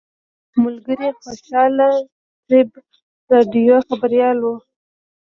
ملګري خوشحال طیب راډیو خبریال و.